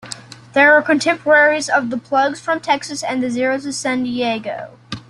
They were contemporaries of The Plugz from Texas and The Zeros of San Diego.